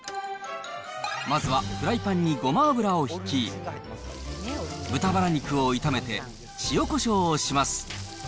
まずはフライパンにごま油を引き、豚ばら肉を炒めて塩コショウをします。